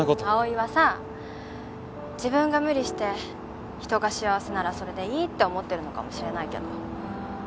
葵はさ自分が無理して人が幸せならそれでいいって思ってるのかもしれないけど。